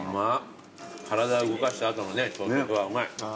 体動かした後のね朝食はうまい。